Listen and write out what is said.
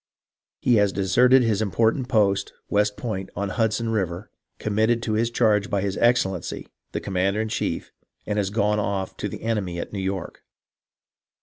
" He has deserted the important post. West Point, on Hudson River, committed to his charge by his Excellency, the Commander in chief, and has gone off to the enemy at New York.